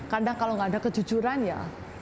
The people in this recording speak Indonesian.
karena kalau tidak ada kejujuran ya